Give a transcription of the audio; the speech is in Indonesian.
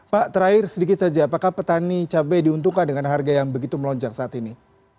pak terakhir sedikit saja apakah petani cabai diuntungkan dengan harga yang begitu melonjak saat ini